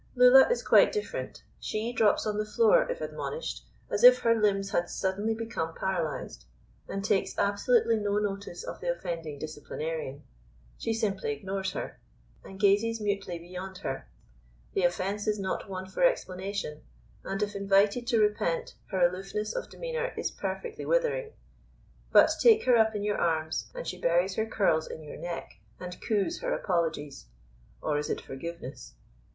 Lulla is quite different. She drops on the floor, if admonished, as if her limbs had suddenly become paralysed, and takes absolutely no notice of the offending disciplinarian. She simply ignores her, and gazes mutely beyond her. The offence is not one for explanation, and if invited to repent, her aloofness of demeanour is perfectly withering. But take her up in your arms, and she buries her curls in your neck, and coos her apologies (or is it forgiveness?)